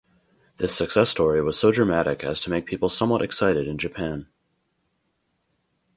This success story was so dramatic as to make people somewhat excited in Japan.